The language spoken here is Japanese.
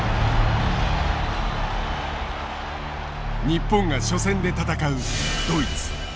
日本が初戦で戦うドイツ。